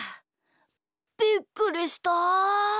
びっくりした！